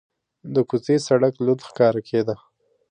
د کوڅې سړک لوند ښکاره کېده.